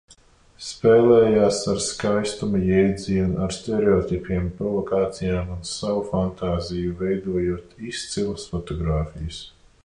Spēlējās ar skaistuma jēdzienu, ar stereotipiem, provokācijām un savu fantāziju, veidojot izcilas fotogrāfijas.